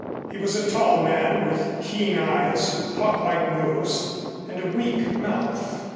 He was a tall man, with keen eyes, hawklike nose and a weak mouth.